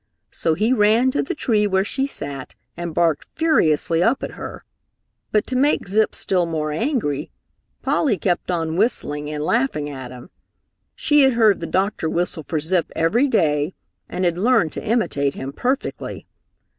So he ran to the tree where she sat and barked furiously up at her. But to make Zip still more angry, Polly kept on whistling and laughing at him. She had heard the doctor whistle for Zip every day and had learned to imitate him perfectly.